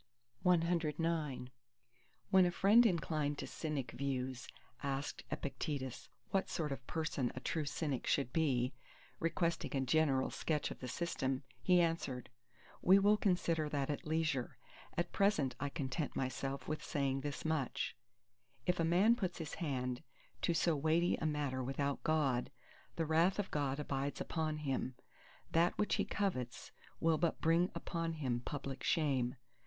CX When a friend inclined to Cynic views asked Epictetus, what sort of person a true Cynic should be, requesting a general sketch of the system, he answered:—"We will consider that at leisure. At present I content myself with saying this much: If a man put his hand to so weighty a matter without God, the wrath of God abides upon him. That which he covets will but bring upon him public shame.